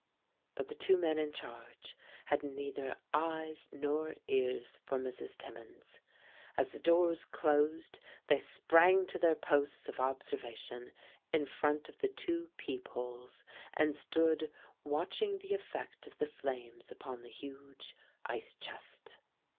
But the two men in charge had neither eyes nor ears for Mrs. Timmins. As the doors closed they sprang to their posts of observation, in front of the two peep holes, and stood watching the effect of the flames upon the huge ice chest.